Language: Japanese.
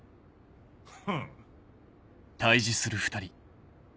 フン。